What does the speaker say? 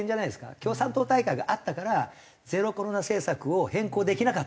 共産党大会があったからゼロコロナ政策を変更できなかった。